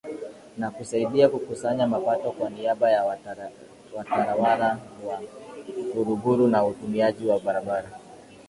na kusaidia kukusanya mapato kwa niaba ya Watawala wa Uluguru kwa watumiaji wa barabara